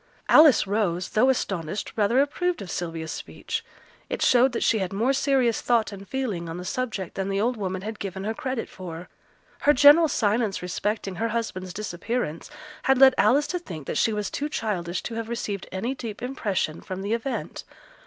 Alice Rose, though astonished, rather approved of Sylvia's speech; it showed that she had more serious thought and feeling on the subject than the old woman had given her credit for; her general silence respecting her husband's disappearance had led Alice to think that she was too childish to have received any deep impression from the event.